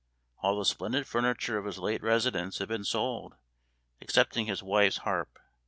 All the splendid furniture of his late residence had been sold, excepting his wife's harp.